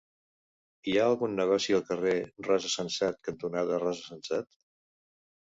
Hi ha algun negoci al carrer Rosa Sensat cantonada Rosa Sensat?